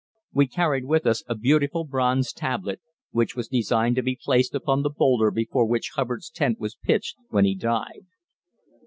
We carried with us a beautiful bronze tablet, which was designed to be placed upon the boulder before which Hubbard's tent was pitched when he died.